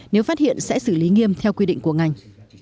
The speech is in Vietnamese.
nếu phát hiện sẽ xử lý nghiêm theo quy định của ngành